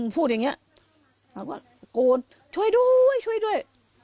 พูดอย่างนี้เราก็ตะโกนช่วยด้วยช่วยด้วย